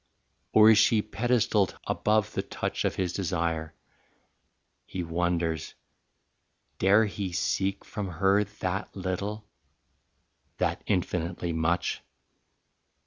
Or is she pedestalled above the touch Of his desire? He wonders: dare he seek From her that little, that infinitely much?